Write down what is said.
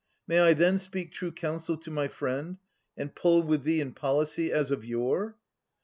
May I then speak true counsel to my friend, And pull with thee in policy as of yore